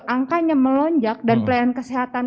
angkanya melonjak dan pelayanan kesehatan